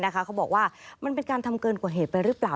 เขาบอกว่ามันเป็นการทำเกินกว่าเหตุไปหรือเปล่า